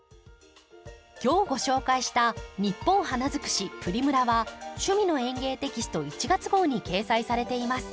今日ご紹介した「ニッポン花づくしプリムラ」は「趣味の園芸」テキスト１月号に掲載されています。